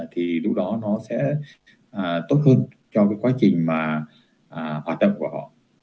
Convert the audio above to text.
thì lúc đó nó sẽ tốt hơn cho cái quá trình mà hoạt tâm của họ